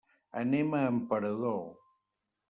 Anem a Emperador.